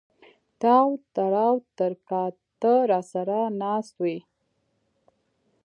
تااو تراو تر کا ته را سر ه ناست وې